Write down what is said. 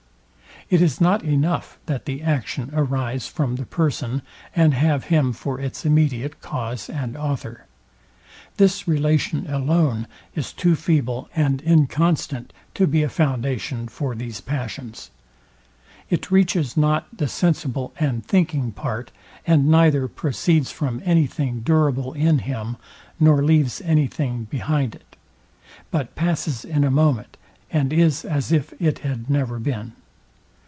It is not enough, that the action arise from the person, and have him for its immediate cause and author. This relation alone is too feeble and inconstant to be a foundation for these passions. It reaches not the sensible and thinking part, and neither proceeds from any thing durable in him, nor leaves any thing behind it; but passes in a moment, and is as if it had never been.